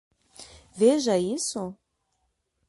Veja isso?